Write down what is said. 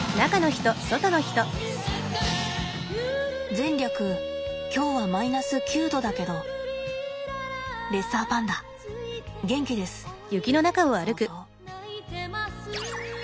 前略今日はマイナス９度だけどレッサーパンダ元気です。草々。